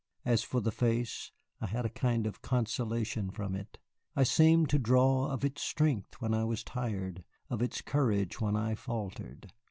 As for the face, I had a kind of consolation from it. I seemed to draw of its strength when I was tired, of its courage when I faltered.